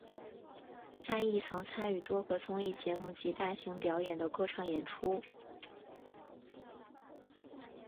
他亦曾参与多个综艺节目及大型表演的歌唱演出。